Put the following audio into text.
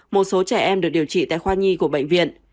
một số trẻ em được điều trị tại khoa nhi của bệnh viện